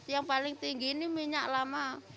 yang paling tinggi ini minyak lama